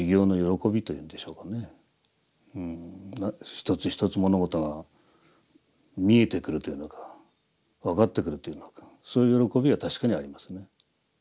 一つ一つ物事が見えてくるというのか分かってくるというのかそういう喜びは確かにありますね。